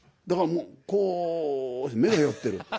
だからもうこう目が寄ってる。